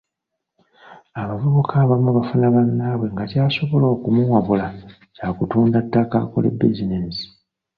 Abavubuka abamu bafuna bannaabwe nga ky’asobola okumuwabula kya kutunda ttaka akole bizinensi.